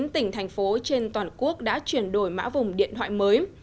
năm mươi chín tỉnh thành phố trên toàn quốc đã chuyển đổi mã vùng điện thoại mới